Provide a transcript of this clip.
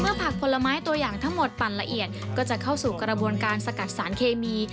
เมื่อผักพลไม้ตัวอย่างทั้งหมดปั่นละเอียดเกิดเข้าสู่การสกัดสารเคมี